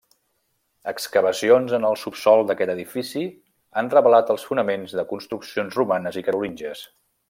Excavacions en el subsòl d'aquest edifici han revelat els fonaments de construccions romanes i carolíngies.